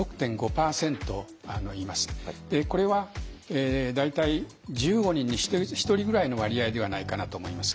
これは大体１５人に１人ぐらいの割合ではないかなと思います。